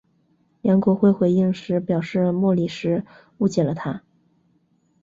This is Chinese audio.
梁国辉回应时表示莫礼时误解了他。